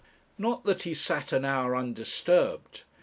Not that he sat an hour undisturbed.